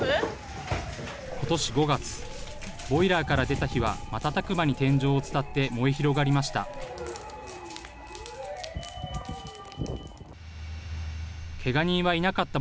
ことし５月、ボイラーから出た火が瞬く間に天井を伝って燃え広がりました。